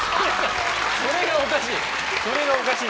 それがおかしい！